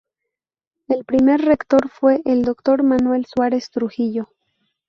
El primer rector fue el Dr. Manuel Suárez Trujillo.